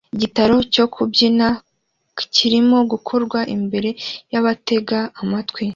Igitaramo cyo kubyina kirimo gukorwa imbere yabateze amatwi